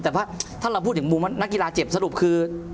แต่ว่าถ้าเราพูดถึงมุมว่านักกีฬาเจ็บสรุปคือ